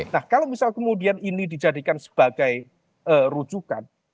nah kalau misal kemudian ini dijadikan sebagai rujukan